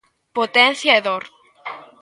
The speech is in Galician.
Potencia e dor.